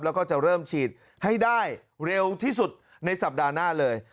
แล้วก็จะเริ่มฉีดให้ได้เร็วที่สุดในสัปดาห์หน้าเลย